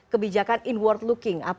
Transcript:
kebijakan inward looking